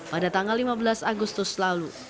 pada tanggal lima belas agustus lalu